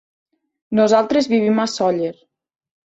Nosaltres vivim a Sóller.